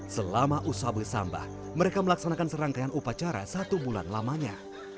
selama usah besambah mereka melaksanakan serangkaian upacara satu bulan lamanya